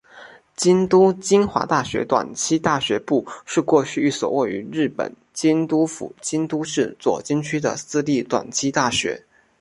京都精华大学短期大学部是过去一所位于日本京都府京都市左京区的私立短期大学。